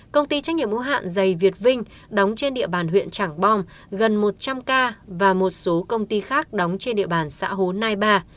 công ty trách nhiệm hữu hạn dày việt vinh đóng trên địa bàn huyện trảng bom gần một trăm linh ca và một số công ty khác đóng trên địa bàn xã hồ nai ba